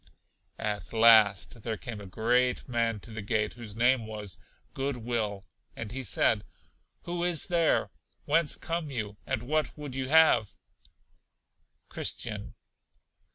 At last there came a great man to the gate, whose name was Good will, and he said: Who is there; whence come you, and what would you have? Christian.